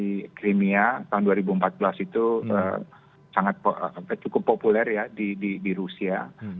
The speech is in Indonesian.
di crimea tahun dua ribu empat belas itu cukup populer ya di rusia